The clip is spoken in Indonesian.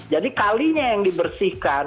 jadi kalinya yang dibersihkan